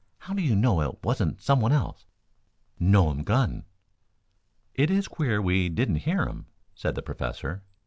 "How do you know it wasn't someone else?" "Know um gun." "It is queer we didn't hear him," said the Professor.